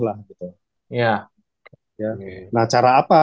ya nah cara apa